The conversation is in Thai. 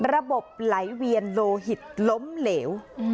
ระบบไหลเวียนโลหิตล้มเหลว